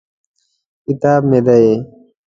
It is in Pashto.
کتاب مې دی.